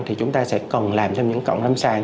thì chúng ta sẽ cần làm